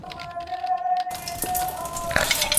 سپیني توري زنګ وهلي ړنګ توپونه پر میدان کې